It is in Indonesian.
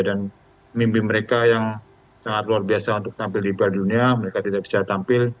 dan mimpi mereka yang sangat luar biasa untuk tampil di perlindungan dunia mereka tidak bisa tampil